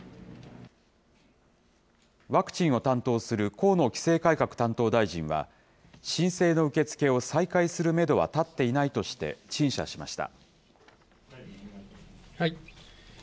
ワクチンを担当する河野規制改革担当大臣は、申請の受け付けを再開するメドは立っていないとして、陳謝しました。